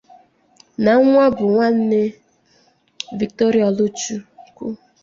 na Nwabunwanne Victoria Oluchukwu